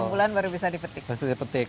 enam bulan baru bisa dipetik